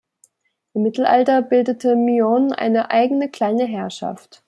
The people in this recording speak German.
Im Mittelalter bildete Myon eine eigene kleine Herrschaft.